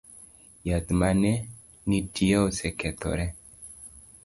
Yath mane nitie osekethore